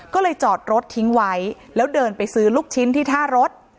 ก็เลยจอดรถทิ้งไว้แล้วเดินไปซื้อลูกชิ้นที่ท่ารถ